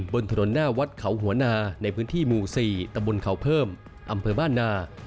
บนถนนหน้าวัดเขาหัวนาในพื้นที่หมู่๔ตำบลเขาเพิ่มอำเภอบ้านนา